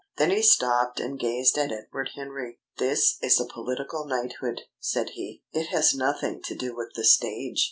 Then he stopped and gazed at Edward Henry. "This is a political knighthood," said he. "It has nothing to do with the stage.